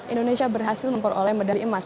indonesia berhasil memperoleh medali emas